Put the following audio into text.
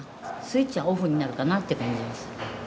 スイッチはオフになるかなって感じがする。